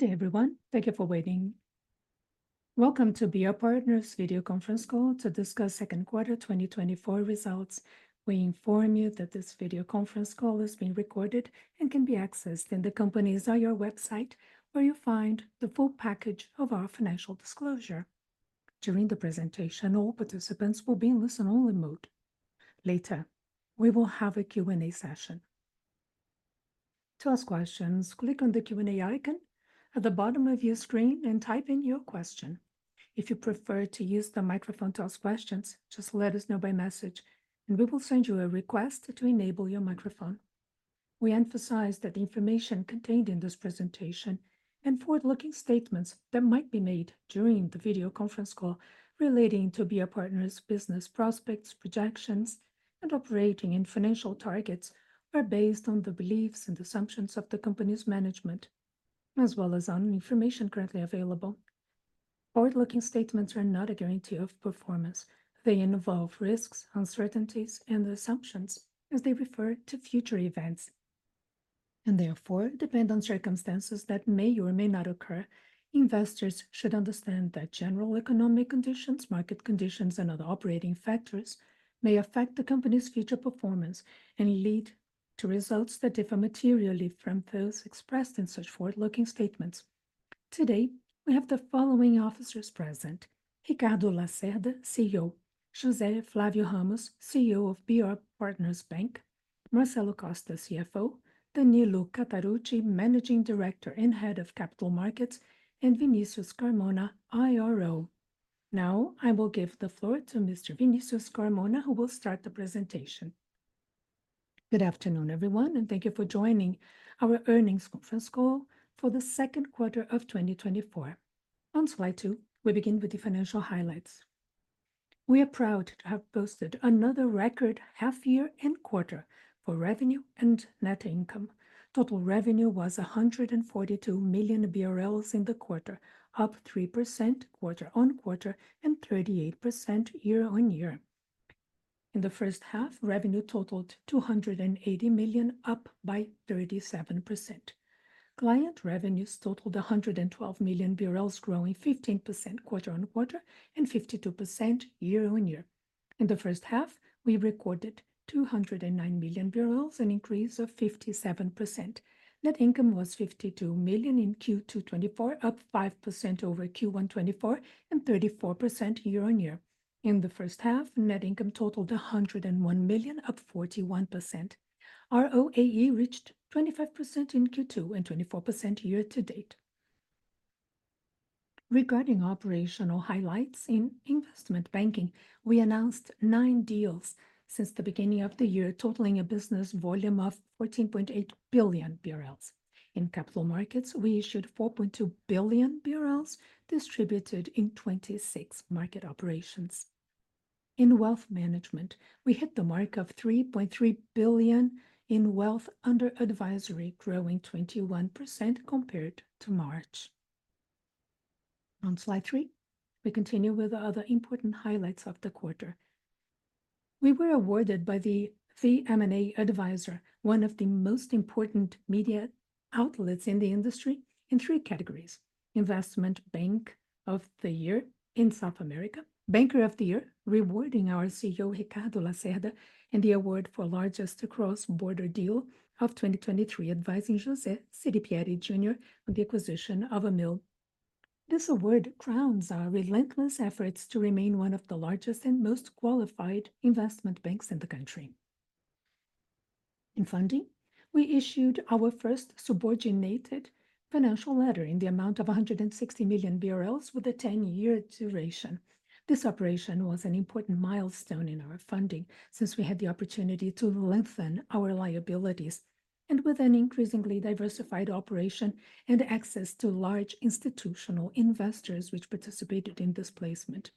Good day, everyone. Thank you for waiting. Welcome to BR Partners' video conference call to discuss second quarter 2024 results. We inform you that this video conference call is being recorded and can be accessed in the company's IR website, where you'll find the full package of our financial disclosure. During the presentation, all participants will be in listen-only mode. Later, we will have a Q&A session. To ask questions, click on the Q&A icon at the bottom of your screen and type in your question. If you prefer to use the microphone to ask questions, just let us know by message, and we will send you a request to enable your microphone. We emphasize that the information contained in this presentation and forward-looking statements that might be made during the video conference call relating to BR Partners' business prospects, projections, and operating and financial targets, are based on the beliefs and assumptions of the company's management, as well as on information currently available. Forward-looking statements are not a guarantee of performance. They involve risks, uncertainties, and assumptions as they refer to future events, and therefore, depend on circumstances that may or may not occur. Investors should understand that general economic conditions, market conditions, and other operating factors may affect the company's future performance and lead to results that differ materially from those expressed in such forward-looking statements. Today, we have the following officers present: Ricardo Lacerda, CEO; José Flávio Ramos, CEO of BR Partners Bank; Marcelo Costa, CFO; Danilo Catarucci, Managing Director and Head of Capital Markets; and Vinicius Carmona, IRO. Now, I will give the floor to Mr. Vinicius Carmona, who will start the presentation. Good afternoon, everyone, and thank you for joining our earnings conference call for the second quarter of 2024. On Slide Two, we begin with the financial highlights. We are proud to have posted another record half year and quarter for revenue and net income. Total revenue was 142 million BRL in the quarter, up 3% quarter-on-quarter and 38% year-on-year. In the first half, revenue totaled 280 million, up by 37%. Client revenues totaled 112 million, growing 15% quarter-on-quarter and 52% year-on-year. In the first half, we recorded 209 million BRL, an increase of 57%. Net income was 52 million in Q2 2024, up 5% over Q1 2024, and 34% year-on-year. In the first half, net income totaled 101 million, up 41%. ROAE reached 25% in Q2 and 24% year to date. Regarding operational highlights in investment banking, we announced nine deals since the beginning of the year, totaling a business volume of 14.8 billion BRL. In capital markets, we issued 4.2 billion BRL, distributed in 26 market operations. In wealth management, we hit the mark of 3.3 billion in wealth under advisory, growing 21% compared to March. On Slide Three, we continue with other important highlights of the quarter. We were awarded by The M&A Advisor, one of the most important media outlets in the industry, in three categories: Investment Bank of the Year in South America, Banker of the Year, rewarding our CEO, Ricardo Lacerda, and the award for Largest Cross-Border Deal of 2023, advising José Seripieri Filho on the acquisition of Amil. This award crowns our relentless efforts to remain one of the largest and most qualified investment banks in the country. In funding, we issued our first subordinated financial letter in the amount of 160 million BRL with a 10-year duration. This operation was an important milestone in our funding, since we had the opportunity to lengthen our liabilities and with an increasingly diversified operation and access to large institutional investors, which participated in this placement.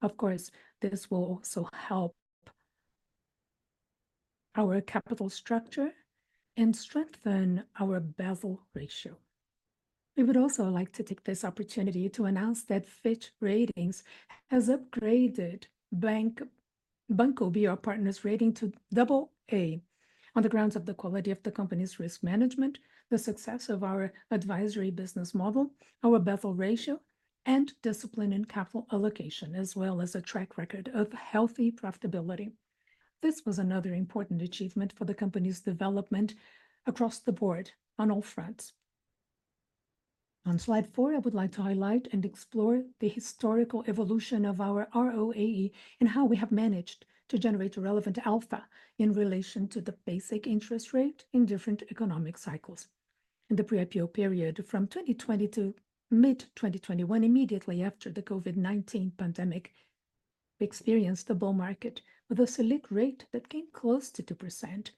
Of course, this will also help our capital structure and strengthen our Basel ratio. We would also like to take this opportunity to announce that Fitch Ratings has upgraded Banco BR Partners rating to AA on the grounds of the quality of the company's risk management, the success of our advisory business model, our Basel ratio, and discipline in capital allocation, as well as a track record of healthy profitability. This was another important achievement for the company's development across the board on all fronts. On Slide Four, I would like to highlight and explore the historical evolution of our ROAE and how we have managed to generate a relevant alpha in relation to the basic interest rate in different economic cycles. In the pre-IPO period from 2020 to mid-2021, immediately after the COVID-19 pandemic, we experienced a bull market with a Selic rate that came close to 2%,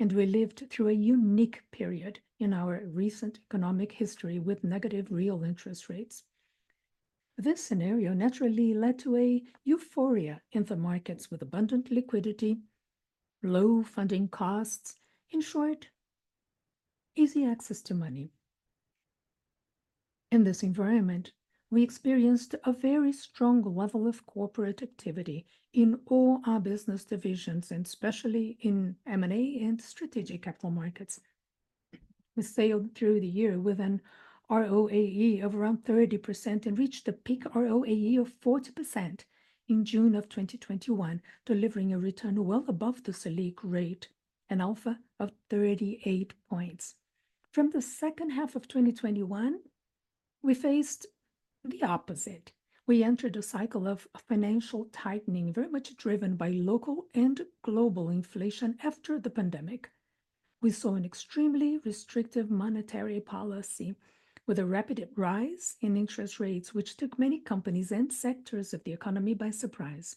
and we lived through a unique period in our recent economic history with negative real interest rates. This scenario naturally led to a euphoria in the markets with abundant liquidity, low funding costs, in short, easy access to money... In this environment, we experienced a very strong level of corporate activity in all our business divisions, and especially in M&A and strategic capital markets. We sailed through the year with an ROAE of around 30% and reached a peak ROAE of 40% in June 2021, delivering a return well above the Selic rate, an alpha of 38 points. From the second half of 2021, we faced the opposite. We entered a cycle of financial tightening, very much driven by local and global inflation after the pandemic. We saw an extremely restrictive monetary policy with a rapid rise in interest rates, which took many companies and sectors of the economy by surprise,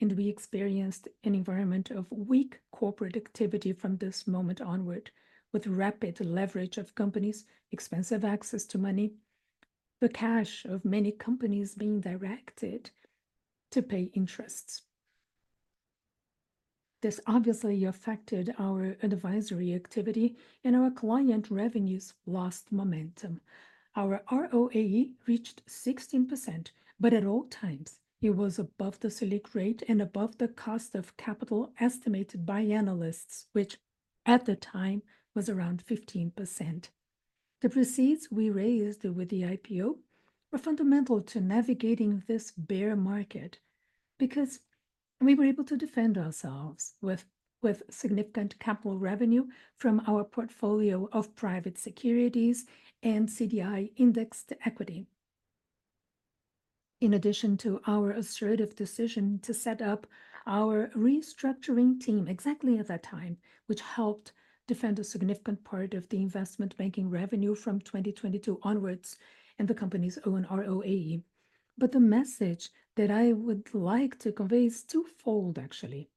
and we experienced an environment of weak corporate activity from this moment onward, with rapid leverage of companies, expensive access to money, the cash of many companies being directed to pay interests. This obviously affected our advisory activity, and our client revenues lost momentum. Our ROAE reached 16%, but at all times, it was above the Selic rate and above the cost of capital estimated by analysts, which at the time was around 15%. The proceeds we raised with the IPO were fundamental to navigating this bear market, because we were able to defend ourselves with significant capital revenue from our portfolio of private securities and CDI-indexed equity. In addition to our assertive decision to set up our restructuring team exactly at that time, which helped defend a significant part of the investment banking revenue from 2022 onwards and the company's own ROAE. But the message that I would like to convey is twofold, actually.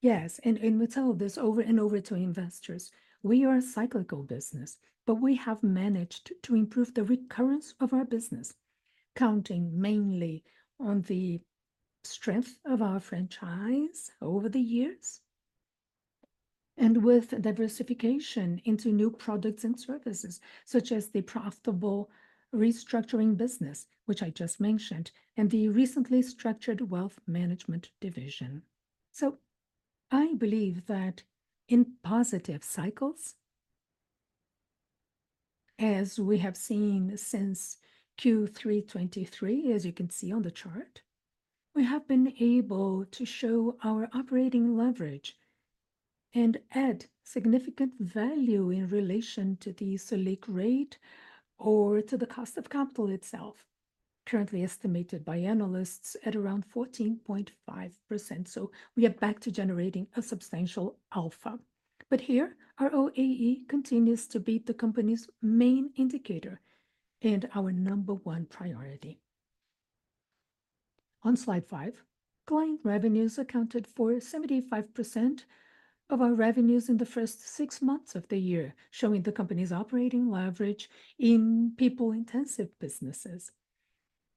Yes, and we tell this over and over to investors, we are a cyclical business, but we have managed to improve the recurrence of our business, counting mainly on the strength of our franchise over the years, and with diversification into new products and services, such as the profitable restructuring business, which I just mentioned, and the recently structured wealth management division. So I believe that in positive cycles, as we have seen since Q3 2023, as you can see on the chart, we have been able to show our operating leverage and add significant value in relation to the Selic rate or to the cost of capital itself, currently estimated by analysts at around 14.5%. So we are back to generating a substantial alpha. But here, ROAE continues to be the company's main indicator and our number one priority. On Slide Five, client revenues accounted for 75% of our revenues in the first six months of the year, showing the company's operating leverage in people-intensive businesses.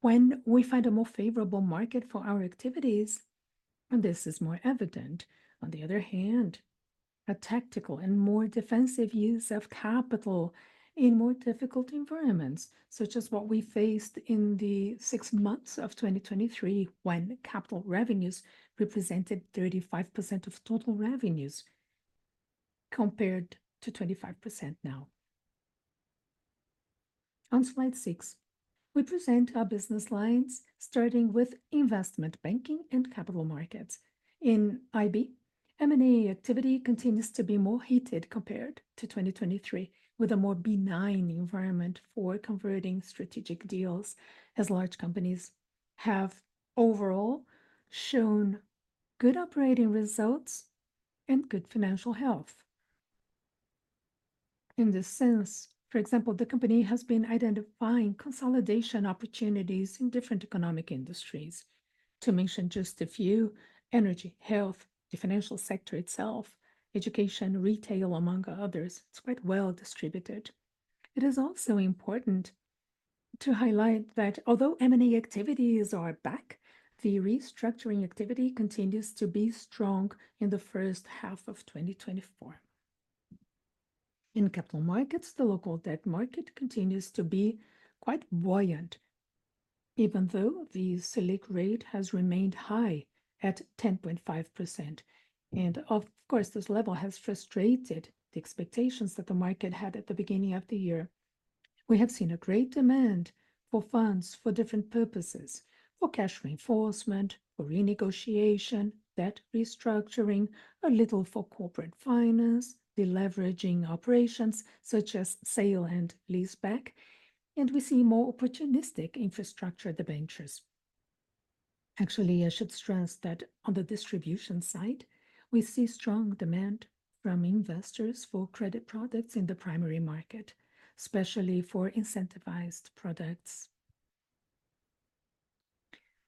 When we find a more favorable market for our activities, and this is more evident, on the other hand, a tactical and more defensive use of capital in more difficult environments, such as what we faced in the six months of 2023, when capital revenues represented 35% of total revenues, compared to 25% now. On Slide Six, we present our business lines, starting with investment banking and capital markets. In IB, M&A activity continues to be more heated compared to 2023, with a more benign environment for converting strategic deals, as large companies have overall shown good operating results and good financial health. In this sense, for example, the company has been identifying consolidation opportunities in different economic industries. To mention just a few: energy, health, the financial sector itself, education, retail, among others. It's quite well-distributed. It is also important to highlight that although M&A activities are back, the restructuring activity continues to be strong in the first half of 2024. In capital markets, the local debt market continues to be quite buoyant, even though the Selic rate has remained high at 10.5%. Of course, this level has frustrated the expectations that the market had at the beginning of the year. We have seen a great demand for funds for different purposes, for cash reinforcement, for renegotiation, debt restructuring, a little for corporate finance, deleveraging operations, such as sale and leaseback, and we see more opportunistic infrastructure debentures. Actually, I should stress that on the distribution side, we see strong demand from investors for credit products in the primary market, especially for incentivized products.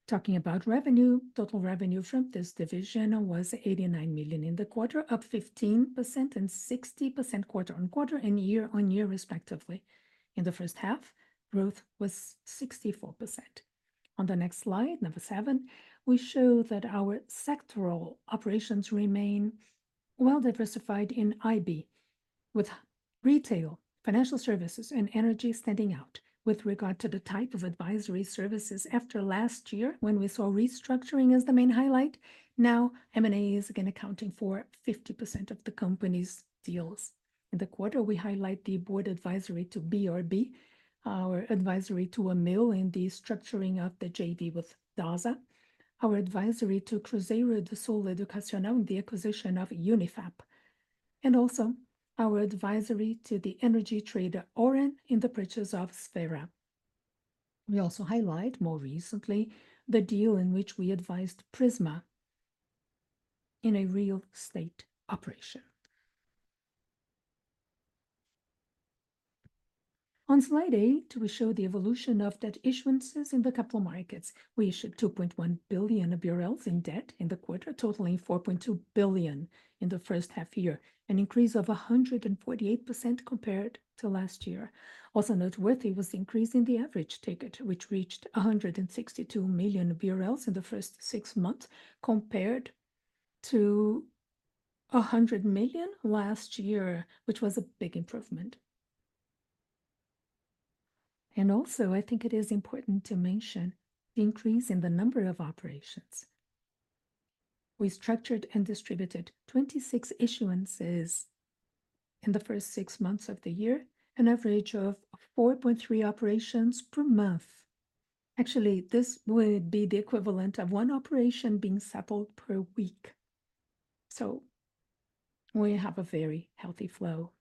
Talking about revenue, total revenue from this division was 89 million in the quarter, up 15% and 60% quarter-on-quarter and year-on-year, respectively. In the first half, growth was 64%. On the next slide, number seven, we show that our sectoral operations remain well-diversified in IB, with retail, financial services, and energy standing out. With regard to the type of advisory services after last year, when we saw restructuring as the main highlight, now M&A is again accounting for 50% of the company's deals. In the quarter, we highlight the board advisory to BRB, our advisory to Amil in the structuring of the JV with Dasa, our advisory to Cruzeiro do Sul Educacional in the acquisition of FAPI, and also our advisory to the energy trader, Auren, in the purchase of Esfera. We also highlight, more recently, the deal in which we advised Prisma in a real estate operation. On Slide Eight, we show the evolution of debt issuances in the capital markets. We issued 2.1 billion in debt in the quarter, totaling 4.2 billion in the first half year, an increase of 148% compared to last year. Also noteworthy was the increase in the average ticket, which reached 162 million BRL in the first six months, compared to 100 million last year, which was a big improvement. And also, I think it is important to mention the increase in the number of operations. We structured and distributed 26 issuances in the first six months of the year, an average of 4.3 operations per month. Actually, this would be the equivalent of one operation being settled per week, so we have a very healthy flow.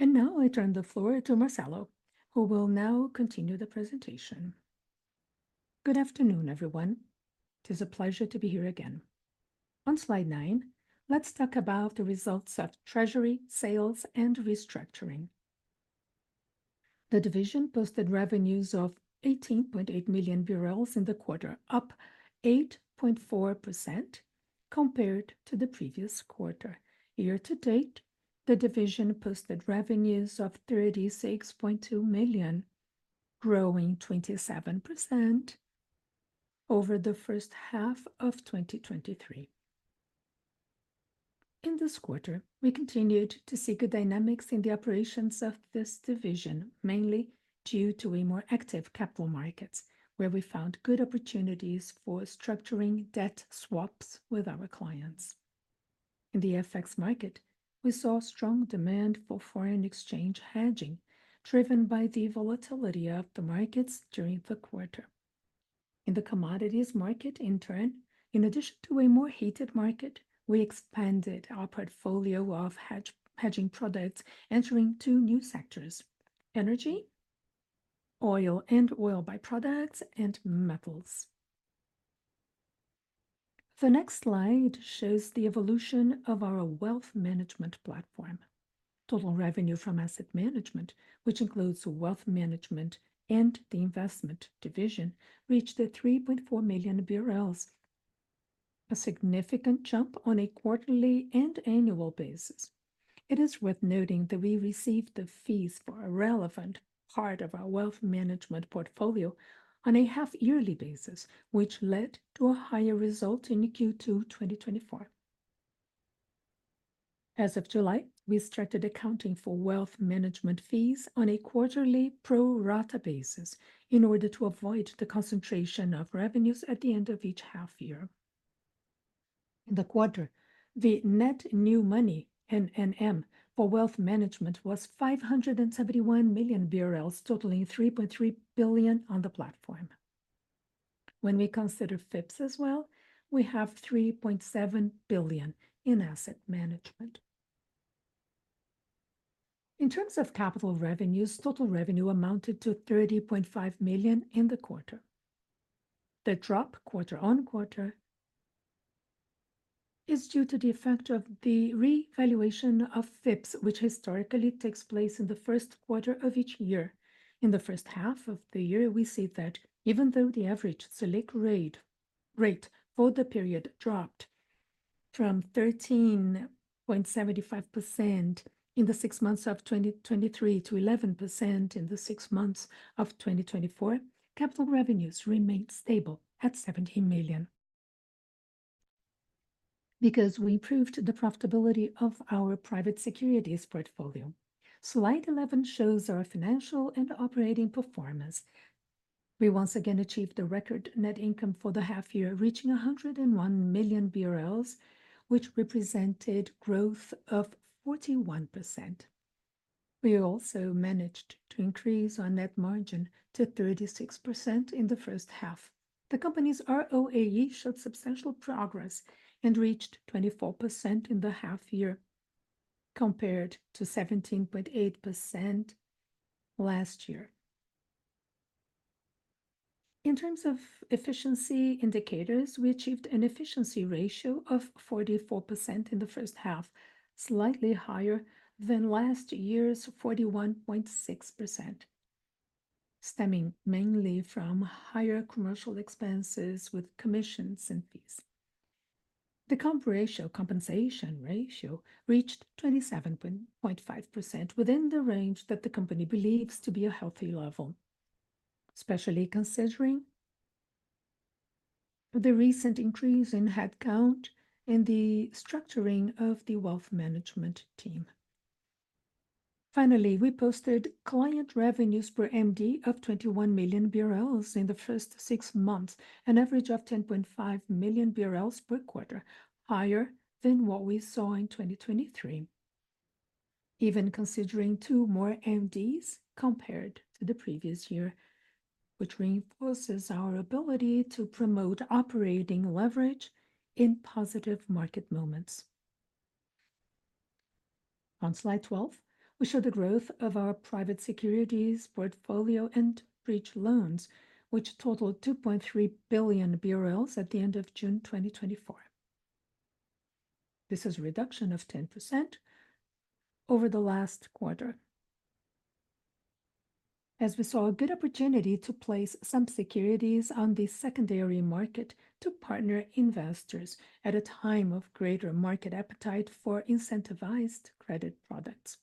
Now I turn the floor to Marcelo, who will now continue the presentation. Good afternoon, everyone. It is a pleasure to be here again. On Slide Nine, let's talk about the results of treasury, sales, and restructuring. The division posted revenues of 18.8 million in the quarter, up 8.4% compared to the previous quarter. Year to date, the division posted revenues of 36.2 million, growing 27% over the first half of 2023. In this quarter, we continued to see good dynamics in the operations of this division, mainly due to a more active capital markets, where we found good opportunities for structuring debt swaps with our clients. In the FX market, we saw strong demand for foreign exchange hedging, driven by the volatility of the markets during the quarter. In the commodities market, in turn, in addition to a more heated market, we expanded our portfolio of hedging products, entering two new sectors: energy, oil and oil byproducts, and metals. The next slide shows the evolution of our wealth management platform. Total revenue from asset management, which includes wealth management and the investment division, reached BRL 3.4 million, a significant jump on a quarterly and annual basis. It is worth noting that we received the fees for a relevant part of our wealth management portfolio on a half-yearly basis, which led to a higher result in Q2 2024. As of July, we started accounting for wealth management fees on a quarterly pro rata basis in order to avoid the concentration of revenues at the end of each half year. In the quarter, the net new money, NNM, for wealth management was 571 million BRL, totaling 3.3 billion on the platform. When we consider FIPs as well, we have 3.7 billion in asset management. In terms of capital revenues, total revenue amounted to 30.5 million in the quarter. The drop quarter-on-quarter is due to the effect of the revaluation of FIPs, which historically takes place in the first quarter of each year. In the first half of the year, we see that even though the average Selic rate, rate for the period dropped from 13.75% in the six months of 2023 to 11% in the six months of 2024, capital revenues remained stable at 17 million because we improved the profitability of our private securities portfolio. Slide 11 shows our financial and operating performance. We once again achieved a record net income for the half year, reaching 101 million BRL, which represented growth of 41%. We also managed to increase our net margin to 36% in the first half. The company's ROAE showed substantial progress and reached 24% in the half year, compared to 17.8% last year. In terms of efficiency indicators, we achieved an efficiency ratio of 44% in the first half, slightly higher than last year's 41.6%, stemming mainly from higher commercial expenses with commissions and fees. The comp ratio, compensation ratio reached 27.5%, within the range that the company believes to be a healthy level, especially considering the recent increase in headcount and the structuring of the wealth management team. Finally, we posted client revenues per MD of 21 million BRL in the first six months, an average of 10.5 million BRL per quarter, higher than what we saw in 2023. Even considering two more MDs compared to the previous year, which reinforces our ability to promote operating leverage in positive market moments. On Slide 12, we show the growth of our private securities portfolio and bridge loans, which totaled 2.3 billion BRL at the end of June 2024. This is a reduction of 10% over the last quarter, as we saw a good opportunity to place some securities on the secondary market to partner investors at a time of greater market appetite for incentivized credit products.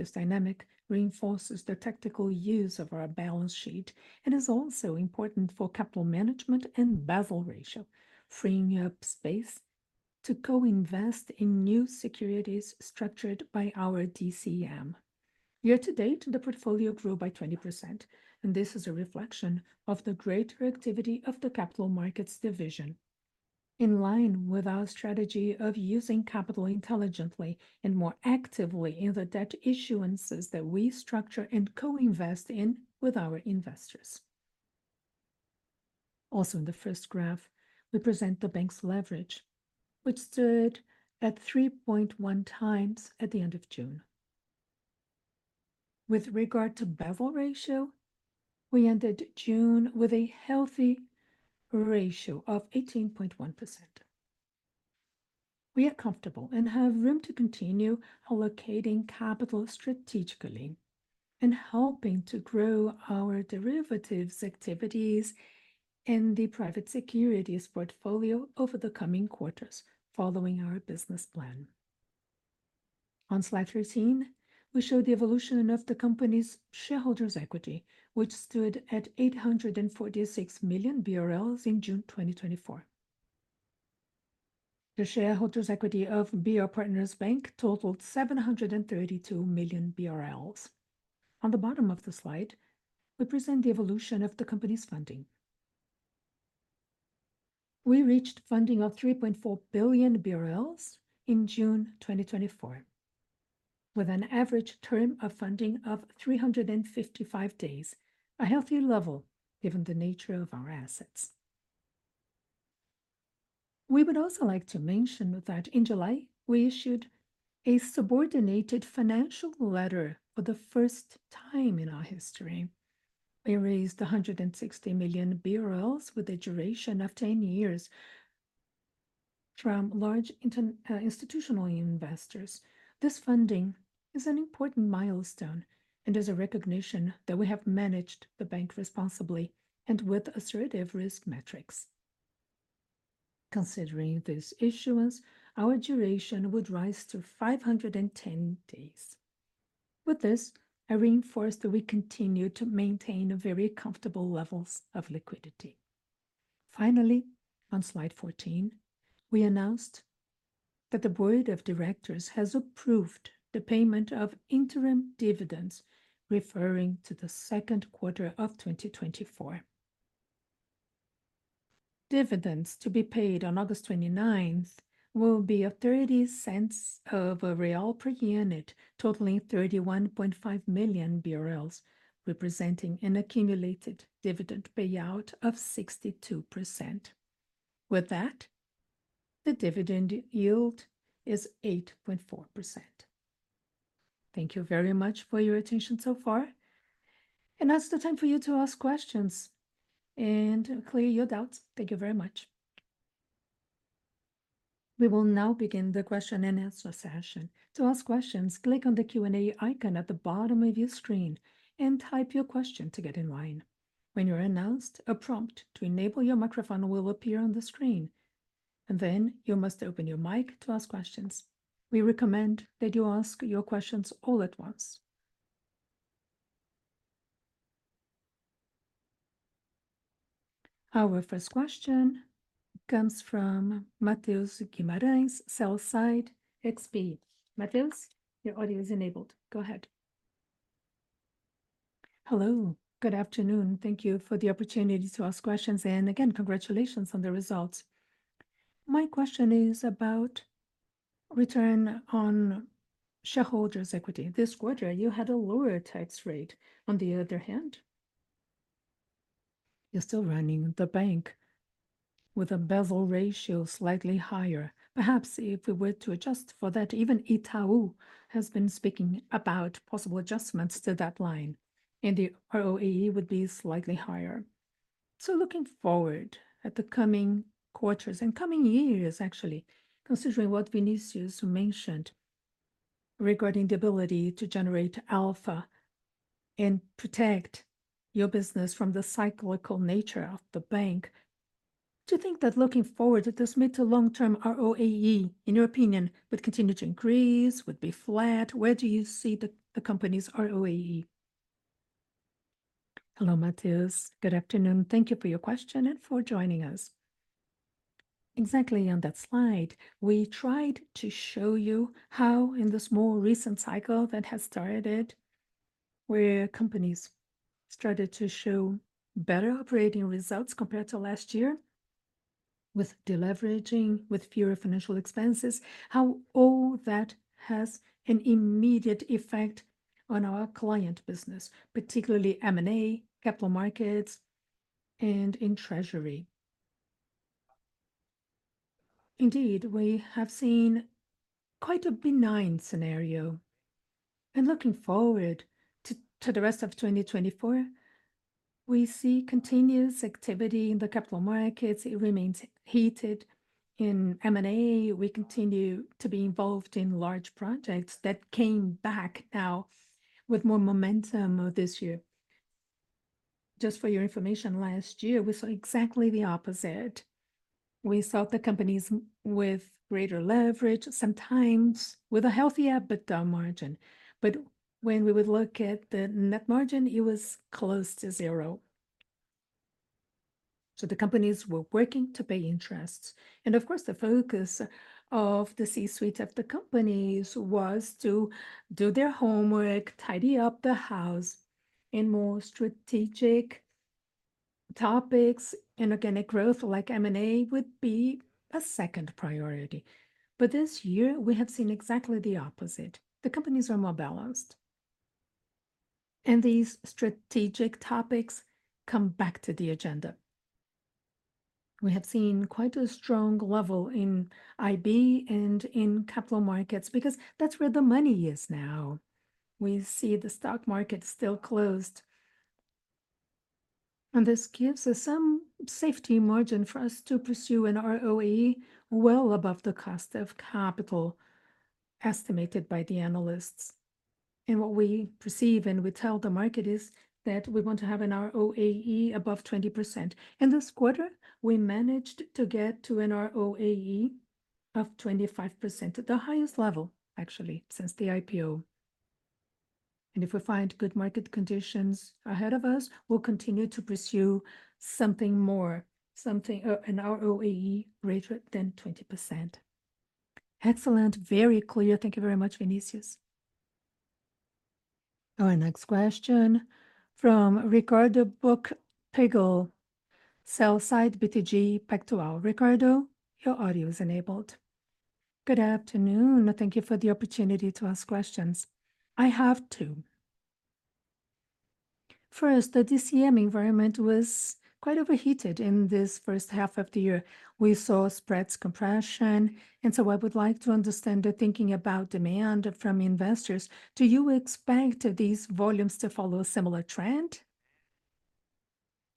This dynamic reinforces the tactical use of our balance sheet and is also important for capital management and Basel ratio, freeing up space to co-invest in new securities structured by our DCM. Year to date, the portfolio grew by 20%, and this is a reflection of the greater activity of the capital markets division, in line with our strategy of using capital intelligently and more actively in the debt issuances that we structure and co-invest in with our investors. Also, in the first graph, we present the bank's leverage, which stood at 3.1x at the end of June. With regard to Basel ratio, we ended June with a healthy ratio of 18.1%. We are comfortable and have room to continue allocating capital strategically and helping to grow our derivatives activities and the private securities portfolio over the coming quarters, following our business plan. On Slide 13, we show the evolution of the company's shareholders' equity, which stood at 846 million BRL in June 2024. The shareholders' equity of BR Partners Bank totaled 732 million BRL. On the bottom of the slide, we present the evolution of the company's funding. We reached funding of 3.4 billion BRL in June 2024, with an average term of funding of 355 days, a healthy level, given the nature of our assets. We would also like to mention that in July, we issued a subordinated financial letter for the first time in our history. We raised 160 million BRL with a duration of 10 years from large institutional investors. This funding is an important milestone and is a recognition that we have managed the bank responsibly and with assertive risk metrics. Considering this issuance, our duration would rise to 510 days. With this, I reinforce that we continue to maintain a very comfortable levels of liquidity. Finally, on Slide 14, we announced that the board of directors has approved the payment of interim dividends, referring to the second quarter of 2024. Dividends to be paid on August 29th will be 0.30 per unit, totaling 31.5 million BRL, representing an accumulated dividend payout of 62%. With that, the dividend yield is 8.4%. Thank you very much for your attention so far, and now's the time for you to ask questions and clear your doubts. Thank you very much. We will now begin the question and answer session. To ask questions, click on the Q&A icon at the bottom of your screen and type your question to get in line. When you're announced, a prompt to enable your microphone will appear on the screen, and then you must open your mic to ask questions. We recommend that you ask your questions all at once. Our first question comes from Matheus Guimarães, Sell Side XP. Matheus, your audio is enabled. Go ahead. Hello, good afternoon. Thank you for the opportunity to ask questions, and again, congratulations on the results. My question is about return on shareholders' equity. This quarter, you had a lower tax rate. On the other hand, you're still running the bank with a Basel ratio slightly higher. Perhaps if we were to adjust for that, even Itaú has been speaking about possible adjustments to that line, and the ROAE would be slightly higher. So looking forward at the coming quarters and coming years, actually, considering what Vinicius mentioned-... regarding the ability to generate alpha and protect your business from the cyclical nature of the bank. Do you think that looking forward, that this mid to long-term ROAE, in your opinion, would continue to increase, would be flat? Where do you see the, the company's ROAE? Hello, Matheus. Good afternoon. Thank you for your question and for joining us. Exactly on that slide, we tried to show you how in this more recent cycle that has started, where companies started to show better operating results compared to last year, with deleveraging, with fewer financial expenses, how all that has an immediate effect on our client business, particularly M&A, capital markets, and in treasury. Indeed, we have seen quite a benign scenario. And looking forward to, to the rest of 2024, we see continuous activity in the capital markets. It remains heated in M&A. We continue to be involved in large projects that came back now with more momentum this year. Just for your information, last year, we saw exactly the opposite. We saw the companies with greater leverage, sometimes with a healthier EBITDA margin. But when we would look at the net margin, it was close to zero. So the companies were working to pay interest. And of course, the focus of the C-suite of the companies was to do their homework, tidy up the house in more strategic topics, inorganic growth, like M&A, would be a second priority. But this year, we have seen exactly the opposite. The companies are more balanced, and these strategic topics come back to the agenda. We have seen quite a strong level in IB and in capital markets because that's where the money is now. We see the stock market still closed, and this gives us some safety margin for us to pursue an ROAE well above the cost of capital estimated by the analysts. And what we perceive, and we tell the market, is that we want to have an ROAE above 20%. In this quarter, we managed to get to an ROAE of 25%, the highest level, actually, since the IPO. And if we find good market conditions ahead of us, we'll continue to pursue something more, something-- an ROAE greater than 20%. Excellent. Very clear. Thank you very much, Vinicius. Our next question from Ricardo Buchpiguel, sell-side BTG Pactual. Ricardo, your audio is enabled. Good afternoon. Thank you for the opportunity to ask questions. I have two. First, the DCM environment was quite overheated in this first half of the year. We saw spreads compression, and so I would like to understand the thinking about demand from investors. Do you expect these volumes to follow a similar trend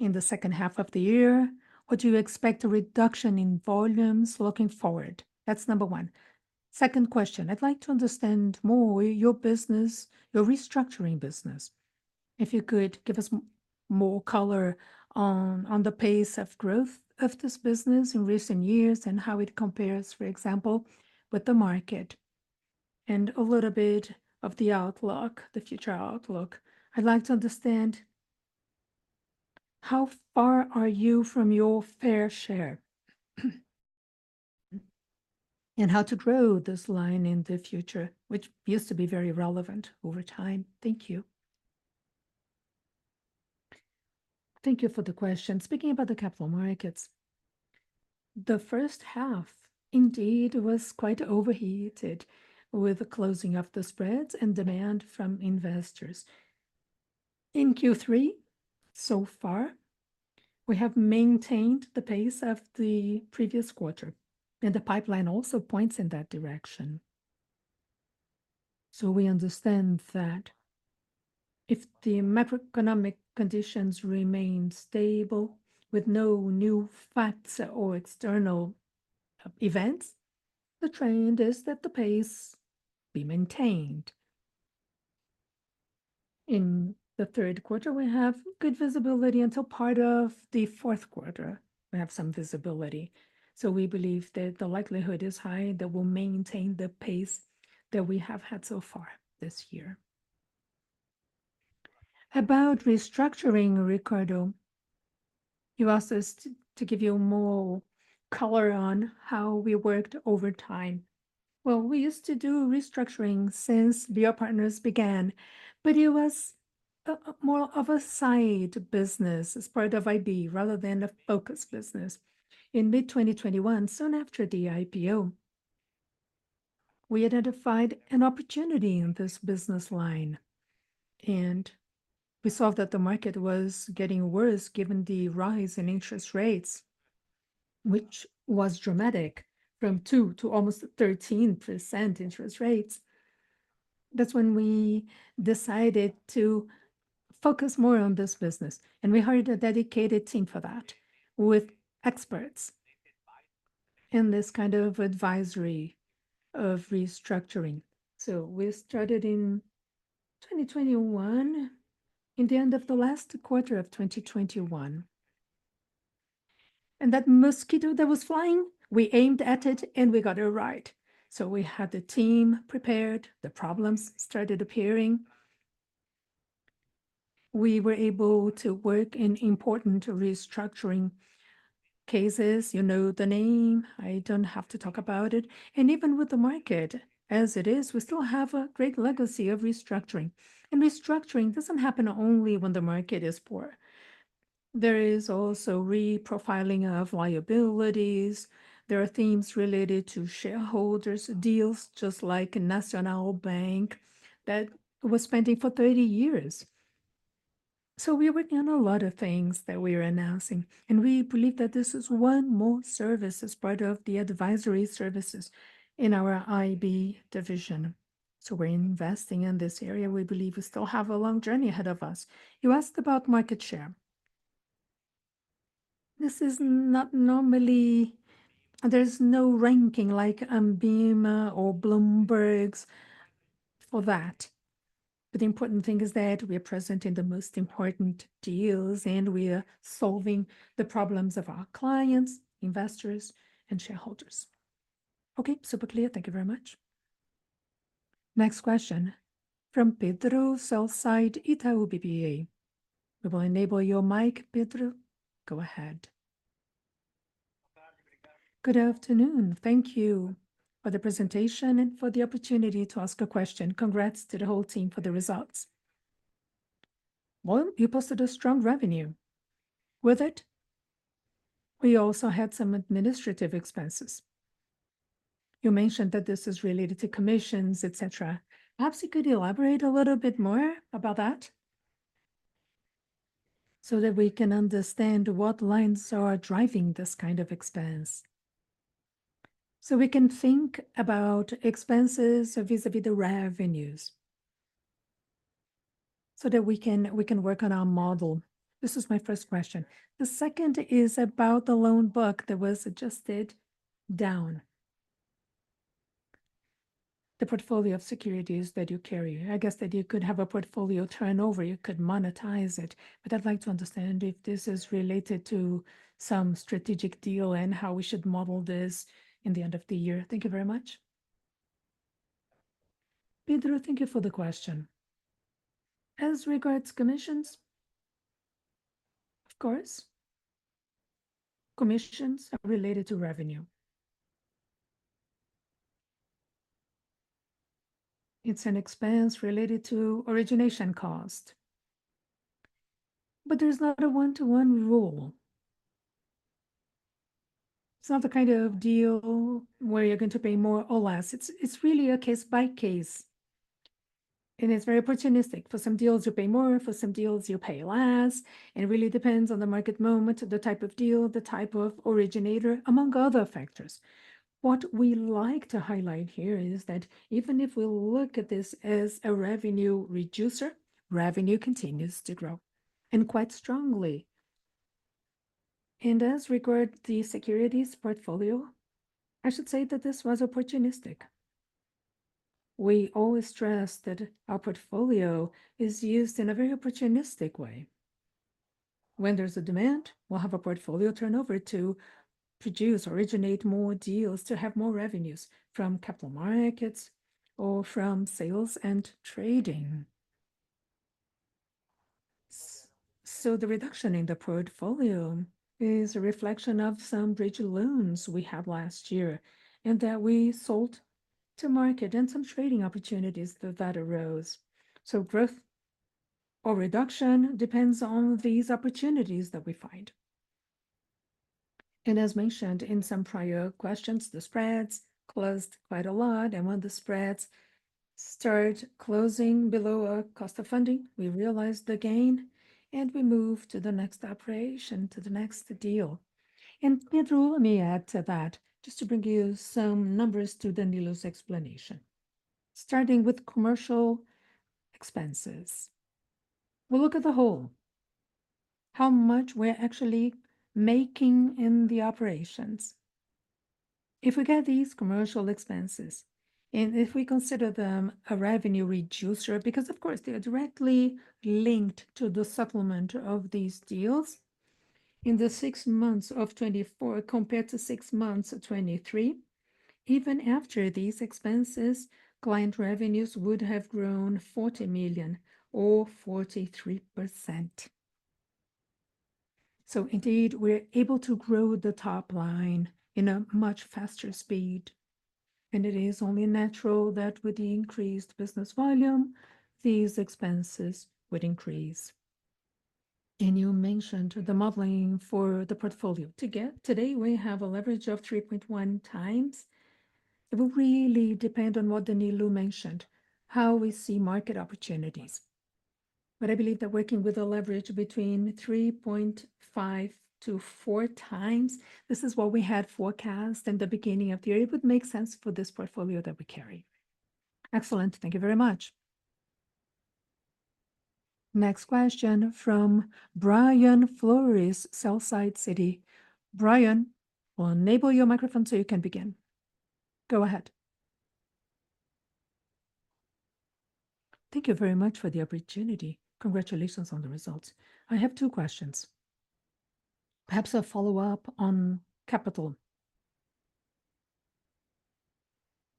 in the second half of the year, or do you expect a reduction in volumes looking forward? That's number one. Second question: I'd like to understand more your business, your restructuring business. If you could give us more color on the pace of growth of this business in recent years, and how it compares, for example, with the market, and a little bit of the outlook, the future outlook. I'd like to understand, how far are you from your fair share? And how to grow this line in the future, which used to be very relevant over time. Thank you. Thank you for the question. Speaking about the capital markets, the first half indeed was quite overheated with the closing of the spreads and demand from investors. In Q3, so far, we have maintained the pace of the previous quarter, and the pipeline also points in that direction. So we understand that if the macroeconomic conditions remain stable, with no new facts or external events, the trend is that the pace be maintained. In the third quarter, we have good visibility. Until part of the fourth quarter, we have some visibility. So we believe that the likelihood is high that we'll maintain the pace that we have had so far this year. About restructuring, Ricardo, you asked us to give you more color on how we worked over time. Well, we used to do restructuring since BR Partners began, but it was a more of a side business as part of IB, rather than a focused business. In mid-2021, soon after the IPO, we identified an opportunity in this business line, and we saw that the market was getting worse, given the rise in interest rates, which was dramatic, from 2% to almost 13% interest rates. That's when we decided to focus more on this business, and we hired a dedicated team for that, with experts in this kind of advisory of restructuring. So we started in 2021, in the end of the last quarter of 2021. And that mosquito that was flying, we aimed at it, and we got it right. So we had the team prepared, the problems started appearing. We were able to work in important restructuring cases. You know the name, I don't have to talk about it. Even with the market as it is, we still have a great legacy of restructuring, and restructuring doesn't happen only when the market is poor. There is also reprofiling of liabilities. There are themes related to shareholders, deals just like Banco Nacional that was pending for 30 years. We're working on a lot of things that we are announcing, and we believe that this is one more service as part of the advisory services in our IB division. We're investing in this area. We believe we still have a long journey ahead of us. You asked about market share. This is not normally... There's no ranking like Anbima or Bloomberg's for that, but the important thing is that we are present in the most important deals, and we are solving the problems of our clients, investors, and shareholders. Okay, super clear. Thank you very much. Next question from Pedro Leduc, Itaú BBA. We will enable your mic, Pedro. Go ahead. Good afternoon. Thank you for the presentation and for the opportunity to ask a question. Congrats to the whole team for the results. One, you posted a strong revenue. With it, we also had some administrative expenses. You mentioned that this is related to commissions, et cetera. Perhaps you could elaborate a little bit more about that, so that we can understand what lines are driving this kind of expense, so we can think about expenses vis-à-vis the revenues, so that we can, we can work on our model. This is my first question. The second is about the loan book that was adjusted down, the portfolio of securities that you carry. I guess that you could have a portfolio turnover, you could monetize it, but I'd like to understand if this is related to some strategic deal and how we should model this in the end of the year. Thank you very much. Pedro, thank you for the question. As regards commissions, of course, commissions are related to revenue. It's an expense related to origination cost, but there's not a one-to-one rule. It's not the kind of deal where you're going to pay more or less. It's, it's really a case by case, and it's very opportunistic. For some deals, you pay more; for some deals, you pay less. It really depends on the market moment, the type of deal, the type of originator, among other factors. What we like to highlight here is that even if we look at this as a revenue reducer, revenue continues to grow, and quite strongly. As regards the securities portfolio, I should say that this was opportunistic. We always stress that our portfolio is used in a very opportunistic way. When there's a demand, we'll have a portfolio turnover to produce or originate more deals, to have more revenues from capital markets or from sales and trading. So the reduction in the portfolio is a reflection of some bridge loans we had last year, and that we sold to market and some trading opportunities that arose. So growth or reduction depends on these opportunities that we find. As mentioned in some prior questions, the spreads closed quite a lot, and when the spreads start closing below our cost of funding, we realize the gain, and we move to the next operation, to the next deal. And Pedro, let me add to that, just to bring you some numbers to Danilo's explanation. Starting with commercial expenses, we'll look at the whole, how much we're actually making in the operations. If we get these commercial expenses, and if we consider them a revenue reducer, because of course, they are directly linked to the settlement of these deals, in the six months of 2024 compared to six months of 2023, even after these expenses, client revenues would have grown 40 million or 43%. So indeed, we're able to grow the top line in a much faster speed, and it is only natural that with the increased business volume, these expenses would increase. You mentioned the modeling for the portfolio. Today, we have a leverage of 3.1x. It will really depend on what Danilo mentioned, how we see market opportunities. But I believe that working with a leverage between 3.5-4x, this is what we had forecast in the beginning of the year. It would make sense for this portfolio that we carry. Excellent. Thank you very much.... Next question from Brian Flores, Citi. Brian, we'll enable your microphone so you can begin. Go ahead. Thank you very much for the opportunity. Congratulations on the results. I have two questions. Perhaps a follow-up on capital.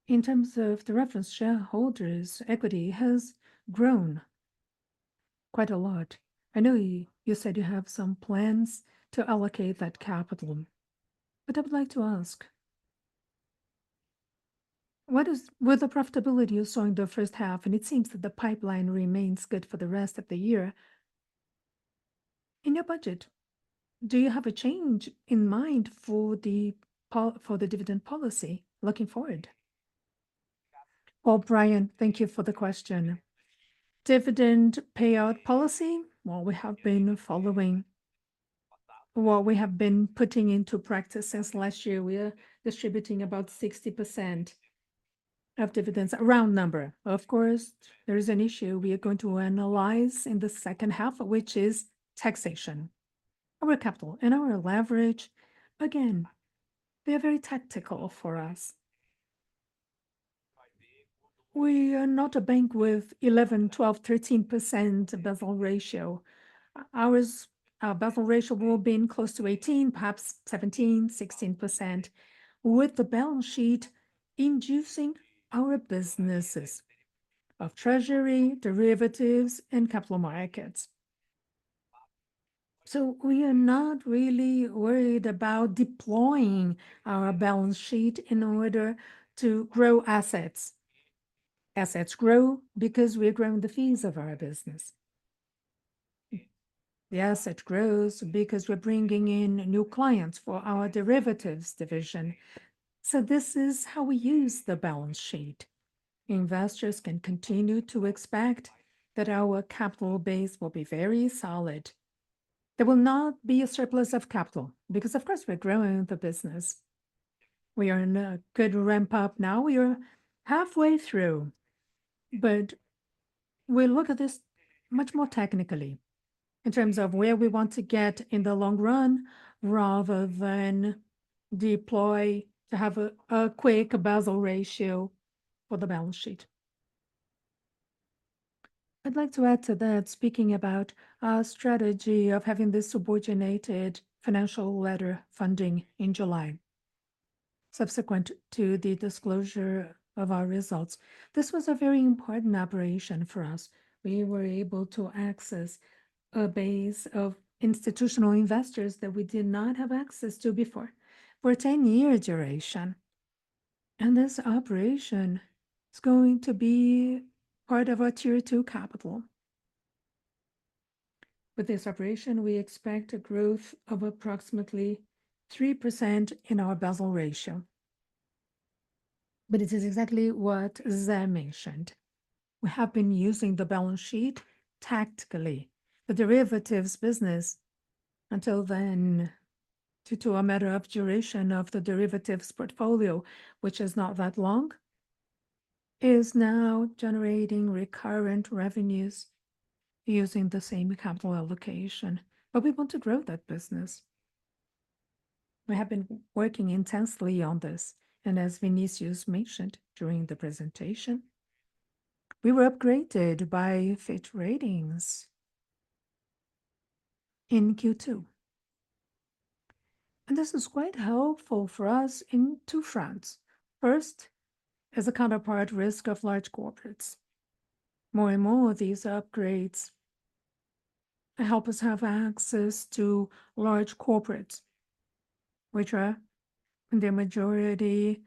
In terms of the reference, shareholders' equity has grown quite a lot. I know you, you said you have some plans to allocate that capital, but I would like to ask, what is- with the profitability you saw in the first half, and it seems that the pipeline remains good for the rest of the year, in your budget, do you have a change in mind for the pol- for the dividend policy looking forward? Well, Brian, thank you for the question. Dividend payout policy, well, we have been following... Well, we have been putting into practice since last year. We are distributing about 60% of dividends, a round number. Of course, there is an issue we are going to analyze in the second half, which is taxation. Our capital and our leverage, again, they're very tactical for us. We are not a bank with 11%, 12%, 13% Basel Ratio. Our Basel ratio will be close to 18%, perhaps 17%, 16%, with the balance sheet including our businesses of treasury, derivatives, and capital markets. So we are not really worried about deploying our balance sheet in order to grow assets. Assets grow because we're growing the fees of our business. The asset grows because we're bringing in new clients for our derivatives division, so this is how we use the balance sheet. Investors can continue to expect that our capital base will be very solid. There will not be a surplus of capital because, of course, we're growing the business. We are in a good ramp-up now. We are halfway through, but we look at this much more technically in terms of where we want to get in the long run, rather than deploy to have a quick Basel ratio for the balance sheet. I'd like to add to that, speaking about our strategy of having this subordinated financial letter funding in July, subsequent to the disclosure of our results. This was a very important operation for us. We were able to access a base of institutional investors that we did not have access to before, for a 10-year duration, and this operation is going to be part of our Tier 2 capital. With this operation, we expect a growth of approximately 3% in our Basel ratio. But it is exactly what Zé mentioned. We have been using the balance sheet tactically. The derivatives business, until then, due to a matter of duration of the derivatives portfolio, which is not that long, is now generating recurrent revenues using the same capital allocation, but we want to grow that business. We have been working intensely on this, and as Vinicius mentioned during the presentation, we were upgraded by Fitch Ratings in Q2. This is quite helpful for us in two fronts. First, as a counterparty risk of large corporates. More and more of these upgrades help us have access to large corporates, which are the majority,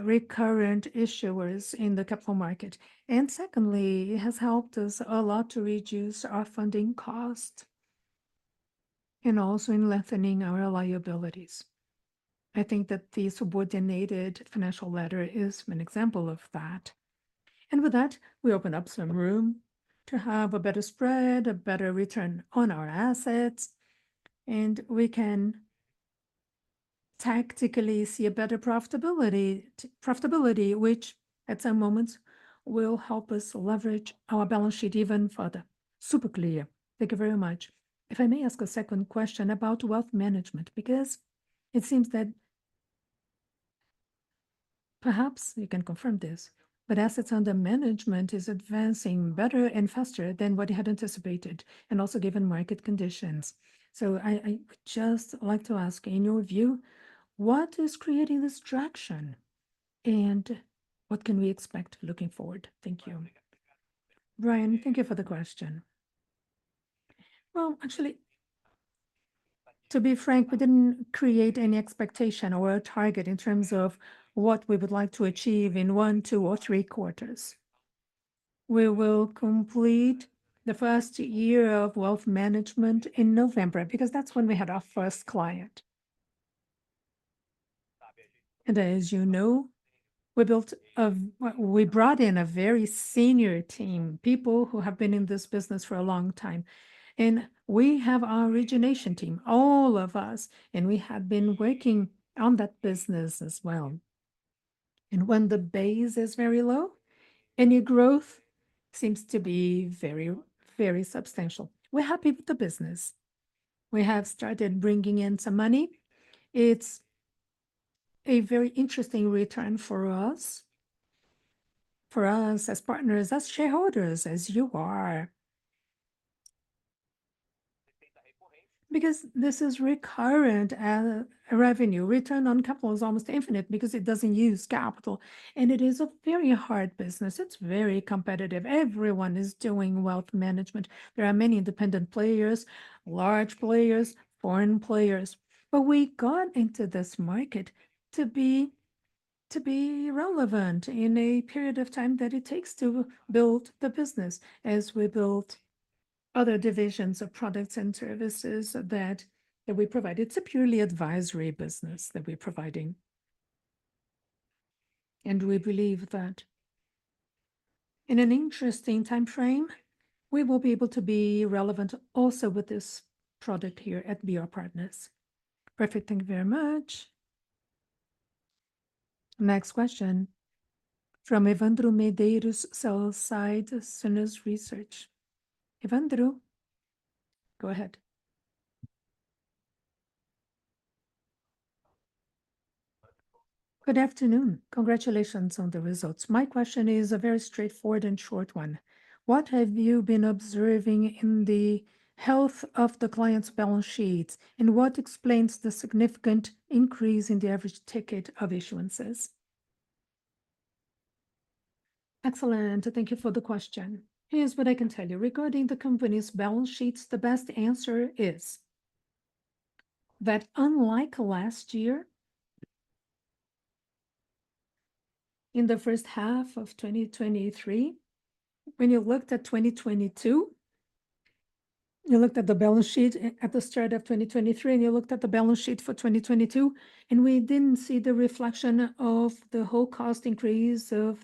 recurrent issuers in the capital market. Secondly, it has helped us a lot to reduce our funding costs, and also in lengthening our liabilities. I think that the subordinated financial letter is an example of that. With that, we open up some room to have a better spread, a better return on our assets, and we can tactically see a better profitability, profitability, which, at some moments, will help us leverage our balance sheet even further. Super clear. Thank you very much. If I may ask a second question about wealth management, because it seems that perhaps you can confirm this, but assets under management is advancing better and faster than what you had anticipated, and also given market conditions. So, I'd just like to ask, in your view, what is creating this traction, and what can we expect looking forward? Thank you. Brian, thank you for the question. Well, actually, to be frank, we didn't create any expectation or a target in terms of what we would like to achieve in one, two, or three quarters. We will complete the first year of wealth management in November, because that's when we had our first client. As you know, we brought in a very senior team, people who have been in this business for a long time, and we have our origination team, all of us, and we have been working on that business as well... and when the base is very low, any growth seems to be very, very substantial. We're happy with the business. We have started bringing in some money. It's a very interesting return for us, for us as partners, as shareholders, as you are. Because this is recurrent revenue, return on capital is almost infinite because it doesn't use capital, and it is a very hard business. It's very competitive. Everyone is doing wealth management. There are many independent players, large players, foreign players, but we got into this market to be, to be relevant in a period of time that it takes to build the business, as we built other divisions of products and services that, that we provide. It's a purely advisory business that we're providing. And we believe that in an interesting timeframe, we will be able to be relevant also with this product here at BR Partners. Perfect, thank you very much. Next question from Evandro Medeiros, sell-side, Suno Research. Evandro, go ahead. Good afternoon. Congratulations on the results. My question is a very straightforward and short one: What have you been observing in the health of the clients' balance sheets, and what explains the significant increase in the average ticket of issuances? Excellent. Thank you for the question. Here's what I can tell you. Regarding the company's balance sheets, the best answer is that unlike last year, in the first half of 2023, when you looked at 2022... You looked at the balance sheet at the start of 2023, and you looked at the balance sheet for 2022, and we didn't see the reflection of the whole cost increase of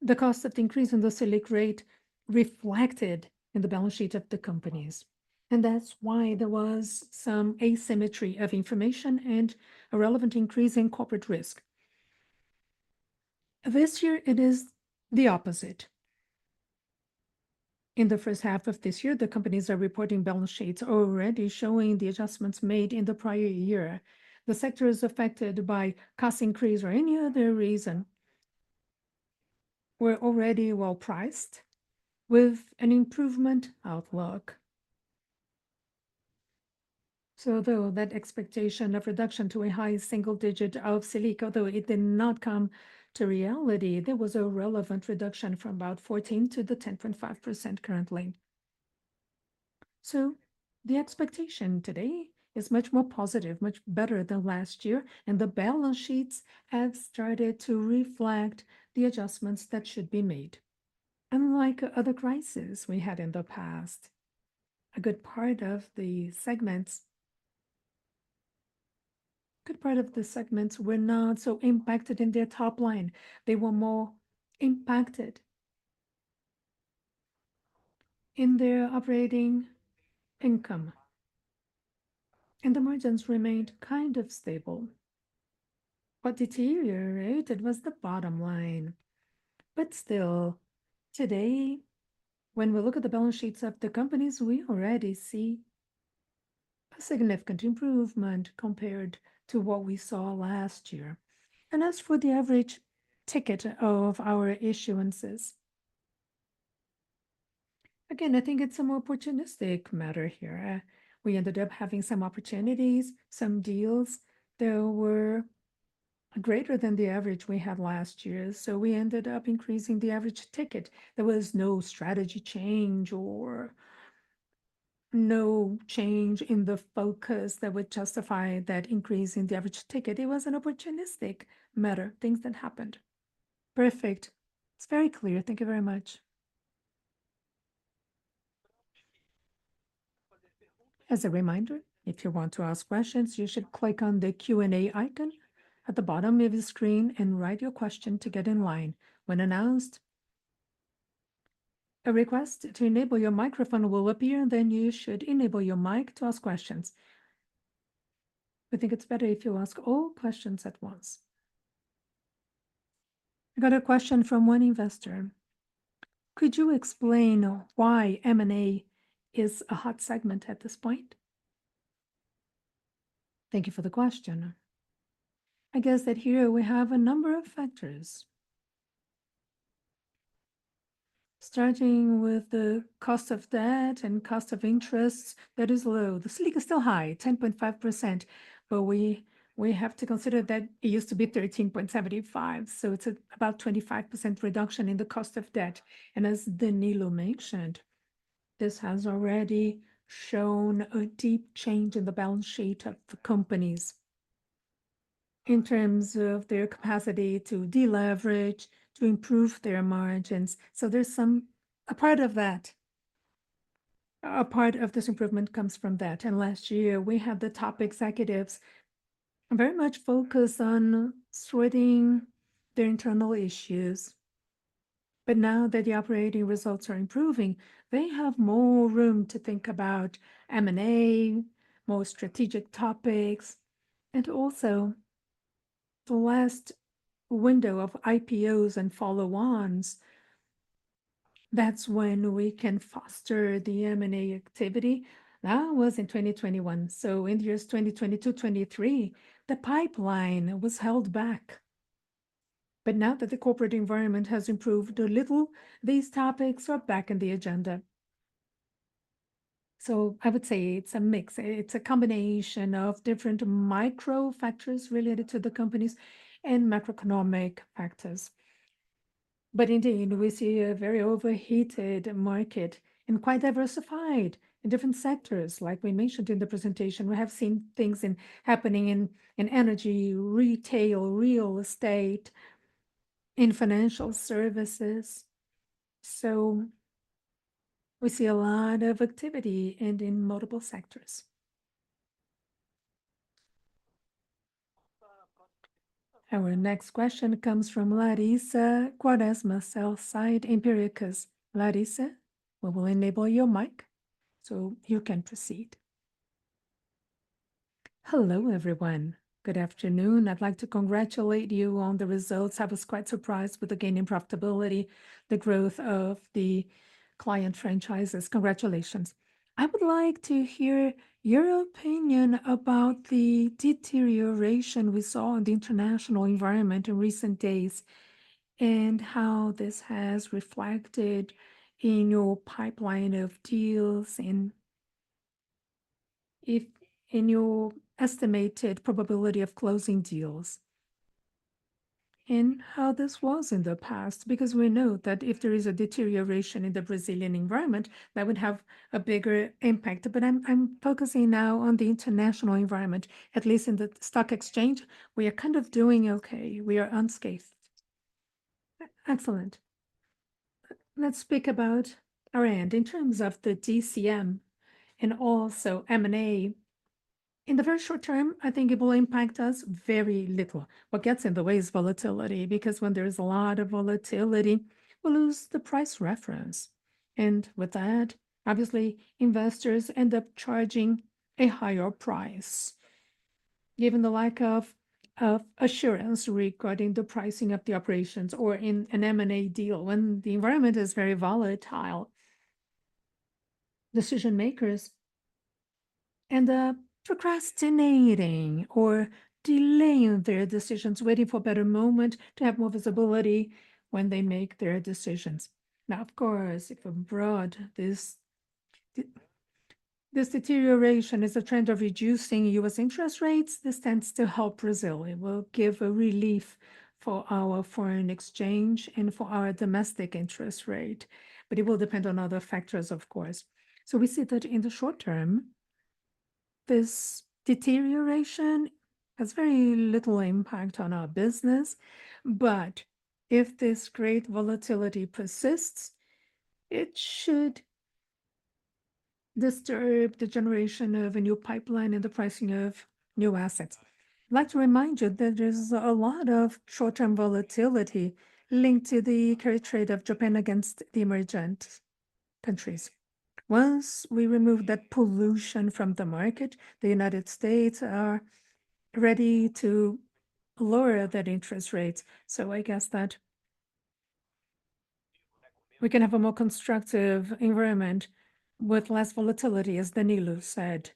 the cost of increase in the Selic rate reflected in the balance sheet of the companies, and that's why there was some asymmetry of information and a relevant increase in corporate risk. This year it is the opposite. In the first half of this year, the companies are reporting balance sheets already showing the adjustments made in the prior year. The sectors affected by cost increase or any other reason were already well-priced, with an improvement outlook. So although that expectation of reduction to a high single digit of Selic, although it did not come to reality, there was a relevant reduction from about 14% to 10.5% currently. So the expectation today is much more positive, much better than last year, and the balance sheets have started to reflect the adjustments that should be made. Unlike other crises we had in the past, a good part of the segments, a good part of the segments were not so impacted in their top line. They were more impacted in their operating income, and the margins remained kind of stable. What deteriorated was the bottom line. But still, today, when we look at the balance sheets of the companies, we already see a significant improvement compared to what we saw last year. As for the average ticket of our issuances, again, I think it's a more opportunistic matter here. We ended up having some opportunities, some deals that were greater than the average we had last year, so we ended up increasing the average ticket. There was no strategy change or no change in the focus that would justify that increase in the average ticket. It was an opportunistic matter, things that happened. Perfect. It's very clear. Thank you very much. As a reminder, if you want to ask questions, you should click on the Q&A icon at the bottom of your screen and write your question to get in line. When announced, a request to enable your microphone will appear, and then you should enable your mic to ask questions. We think it's better if you ask all questions at once. I got a question from one investor: Could you explain why M&A is a hot segment at this point? Thank you for the question. I guess that here we have a number of factors, starting with the cost of debt and cost of interest, that is low. The Selic is still high, 10.5%, but we, we have to consider that it used to be 13.75%, so it's about 25% reduction in the cost of debt. And as Danilo mentioned, this has already shown a deep change in the balance sheet of the companies in terms of their capacity to de-leverage, to improve their margins. So there's some... A part of that, a part of this improvement comes from that. And last year, we had the top executives very much focused on sorting their internal issues-... But now that the operating results are improving, they have more room to think about M&A, more strategic topics, and also the last window of IPOs and follow-ons. That's when we can foster the M&A activity. That was in 2021. So in years 2022, 2023, the pipeline was held back. But now that the corporate environment has improved a little, these topics are back on the agenda. So I would say it's a mix. It's a combination of different micro factors related to the companies and macroeconomic factors. But indeed, we see a very overheated market and quite diversified in different sectors. Like we mentioned in the presentation, we have seen things happening in energy, retail, real estate, in financial services. So we see a lot of activity and in multiple sectors. Our next question comes from Larissa Quaresma, sell-side Empiricus. Larissa, we will enable your mic, so you can proceed. Hello, everyone. Good afternoon. I'd like to congratulate you on the results. I was quite surprised with the gain in profitability, the growth of the client franchises. Congratulations. I would like to hear your opinion about the deterioration we saw in the international environment in recent days, and how this has reflected in your pipeline of deals, and if- in your estimated probability of closing deals, and how this was in the past? Because we know that if there is a deterioration in the Brazilian environment, that would have a bigger impact. But I'm, I'm focusing now on the international environment. At least in the stock exchange, we are kind of doing okay, we are unscathed. Excellent. Let's speak about our end. In terms of the DCM and also M&A, in the very short term, I think it will impact us very little. What gets in the way is volatility, because when there is a lot of volatility, we lose the price reference, and with that, obviously, investors end up charging a higher price. Given the lack of assurance regarding the pricing of the operations or in an M&A deal, when the environment is very volatile, decision-makers end up procrastinating or delaying their decisions, waiting for a better moment to have more visibility when they make their decisions. Now, of course, if abroad, this deterioration is a trend of reducing U.S. interest rates, this tends to help Brazil. It will give a relief for our foreign exchange and for our domestic interest rate, but it will depend on other factors, of course. So we see that in the short term, this deterioration has very little impact on our business, but if this great volatility persists, it should disturb the generation of a new pipeline and the pricing of new assets. I'd like to remind you that there's a lot of short-term volatility linked to the carry trade of Japan against the emergent countries. Once we remove that pollution from the market, the United States are ready to lower their interest rates, so I guess that we can have a more constructive environment with less volatility, as Danilo said,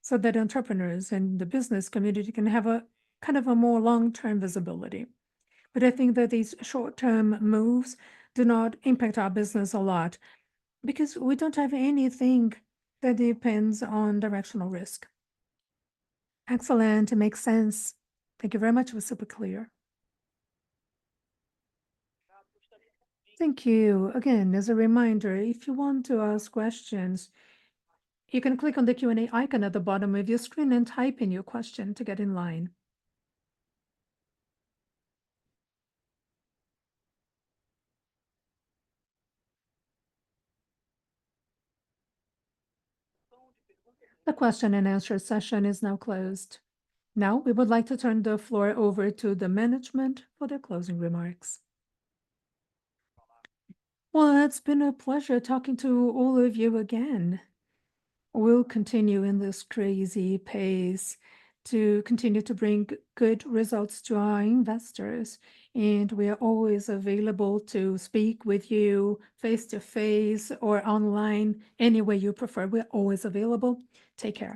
so that entrepreneurs and the business community can have a kind of a more long-term visibility. But I think that these short-term moves do not impact our business a lot, because we don't have anything that depends on directional risk. Excellent. It makes sense. Thank you very much. It was super clear. Thank you. Again, as a reminder, if you want to ask questions, you can click on the Q&A icon at the bottom of your screen and type in your question to get in line. The question and answer session is now closed. Now, we would like to turn the floor over to the management for their closing remarks. Well, it's been a pleasure talking to all of you again. We'll continue in this crazy pace to continue to bring good results to our investors, and we are always available to speak with you face-to-face or online, any way you prefer. We're always available. Take care.